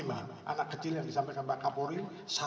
anak kecil yang disampaikan